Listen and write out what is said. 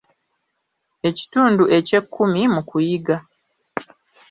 Ekitundu ekyekkumi mu kuyiga.